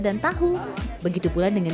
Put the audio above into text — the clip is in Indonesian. dan tahu begitu pula dengan